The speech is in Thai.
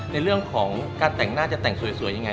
ในเรื่องของการแต่งหน้าจะแต่งสวยยังไง